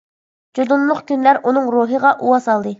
جۇدۇنلۇق كۈنلەر ئۇنىڭ روھىغا ئۇۋا سالدى.